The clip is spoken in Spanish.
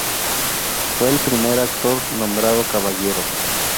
Fue el primer actor nombrado caballero.